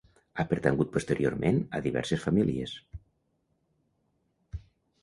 Ha pertangut posteriorment a diverses famílies.